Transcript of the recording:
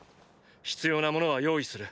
必要な物は用意する。